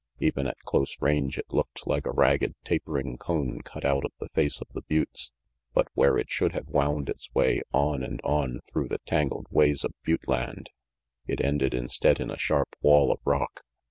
Even at close range, it looked like a ragged, tapering cone cut out of the face of the buttes, but where it should have wound its way on and on through the tangled ways of butte land, it ended instead in a sharp wall of rock.